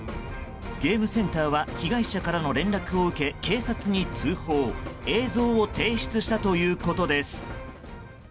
ゲームセンターは被害者からの連絡を受け警察に通報映像を提出したということです。